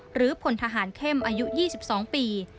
หรือพลทหารเข้มอายุ๒๒ปี